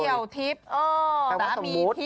เขียวทิศแปลว่าสมมติ